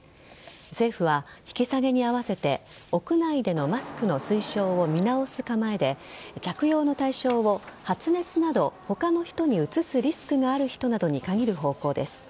政府は引き下げに合わせて屋内でのマスクの推奨を見直す構えで着用の対象を発熱など他の人にうつすリスクがある人などに限る方向です。